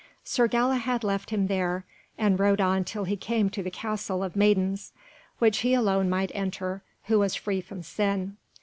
Sir Galahad left him there, and rode on till he came to the Castle of Maidens, which he alone might enter who was free from sin.